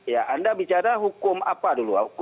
ya anda bicara hukum apa dulu